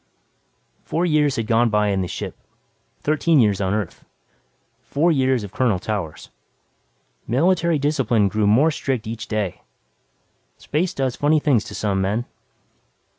Four years had gone by in the ship; thirteen years on Earth. Four years of Colonel Towers. Military discipline grew more strict each day. Space does funny things to some men.